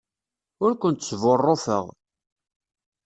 Ur kent-sbuṛṛufeɣ.